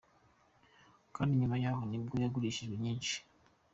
Kandi nyuma yaho nibwo hagurishijwe nyinshi.